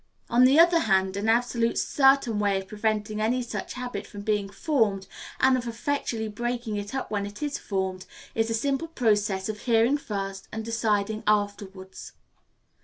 On the other hand, an absolutely certain way of preventing any such habit from being formed, and of effectually breaking it up when it is formed, is the simple process of hearing first, and deciding afterwards.